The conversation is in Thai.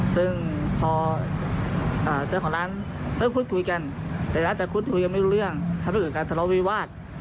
ซึ่งพอเจ้าของร้านเริ่มพูดคุยกันในร้านแต่พูดคุยกันไม่รู้เรื่องทำให้เกิดการทะเลาวิวาส